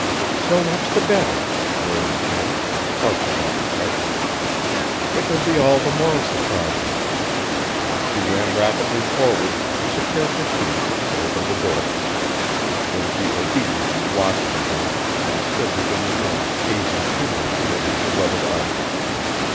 "So much the better!" murmured Janet, sparkling with excitement. "It will be all the more surprising." She ran rapidly forward, secured the key and opened the door. Then she obediently locked it again and stood within the room gazing tenderly at every beloved object.